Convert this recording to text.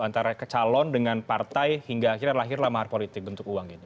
antara kecalon dengan partai hingga akhirnya lahirlah mahar politik bentuk uang ini